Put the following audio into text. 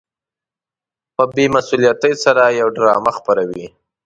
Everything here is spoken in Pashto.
په بې مسؤليتۍ سره يوه ډرامه خپروي.